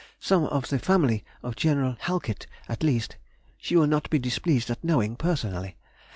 Some of the family of General Halkett, at least, she will not be displeased at knowing personally.